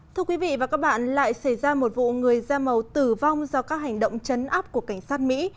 thưa quý vị và các bạn lại xảy ra một vụ người da màu tử vong do các hành động chấn áp của cảnh sát mỹ